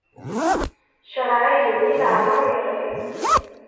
Ccṛeɛ igenni leɛmeṛ iɣli.